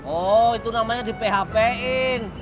oh itu namanya di php in